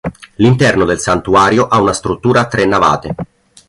L'interno del Santuario ha una struttura a tre navate.